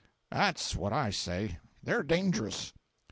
—' At's what I say—they're dangerous.